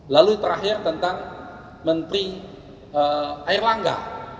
lalu terakhir tentang menteri air langga